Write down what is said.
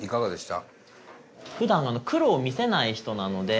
ふだん苦労を見せない人なので。